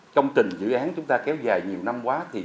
công trình dự án chúng ta kéo dài nhiều năm quá